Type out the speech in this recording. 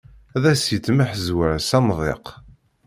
Ad as-yettemḥezwar s amḍiq.